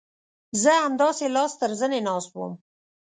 زه همداسې لاس تر زنې ناست وم.